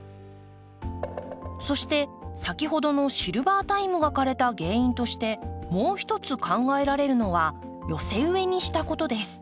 そして先ほどのシルバータイムが枯れた原因としてもう一つ考えられるのは寄せ植えにしたことです。